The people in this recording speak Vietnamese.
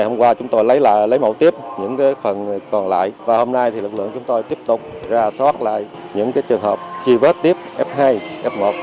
hôm qua chúng tôi lấy lại lấy mẫu tiếp những phần còn lại và hôm nay lực lượng chúng tôi tiếp tục ra soát lại những trường hợp truy vết tiếp f hai f một